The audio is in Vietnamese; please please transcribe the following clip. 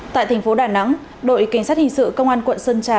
tại thành phố đà nẵng đội cảnh sát hình sự công an quận sơn trà